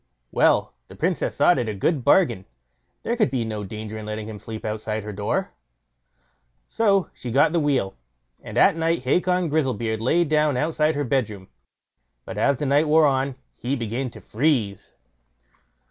Well, the Princess thought it a good bargain; there could be no danger in letting him sleep outside her door. So she got the wheel, and at night Hacon Grizzlebeard lay down outside her bedroom. But as the night wore on he began to freeze.